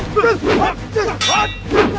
para aku capek para